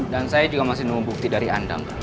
dan saya juga masih nunggu bukti dari anda